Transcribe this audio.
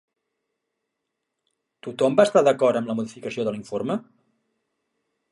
Tothom va estar d'acord amb la modificació de l'informe?